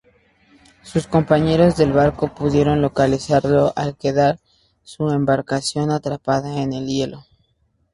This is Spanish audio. Sus compañeros del barco pudieron localizarlo al quedar su embarcación atrapada en el hielo.